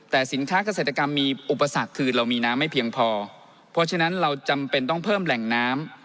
แต่สินค้าเกษตรกรรมมีอุปสรรคคือเรามีน้ำไม่เพียงพอเพราะฉะนั้นเราจำเป็นต้องเพิ่มแหล่งน้ำ